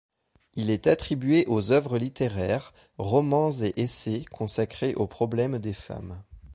Il est attribué aux œuvres littéraires, romans et essais consacrés aux problèmes des femmes.